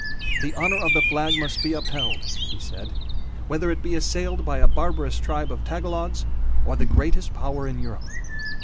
"The honor of the flag must be upheld," he said, "Whether it be assailed by a barbarous tribe of Tagalogs Or the greatest power in Europe."